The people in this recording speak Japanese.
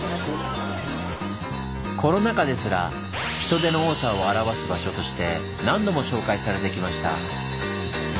コロナ禍ですら人出の多さを表す場所として何度も紹介されてきました。